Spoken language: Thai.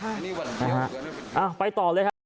ไปต่อเลยครับ